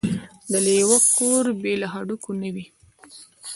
د لېوه کور بې له هډوکو نه وي.